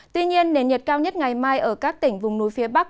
tuy nhiên nền nhiệt cao nhất ngày mai ở các tỉnh vùng núi phía bắc